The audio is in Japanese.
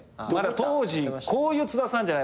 当時こういう津田さんじゃない。